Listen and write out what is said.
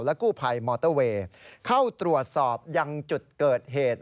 กู้ภัยมอเตอร์เวย์เข้าตรวจสอบยังจุดเกิดเหตุ